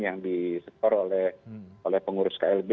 yang disetor oleh pengurus klb